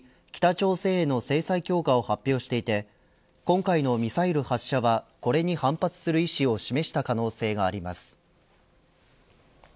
北朝鮮への制裁強化を発表していて今回のミサイル発射はこれに反発する意思を示した可能性があります。